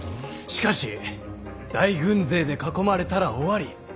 しかし大軍勢で囲まれたら終わり。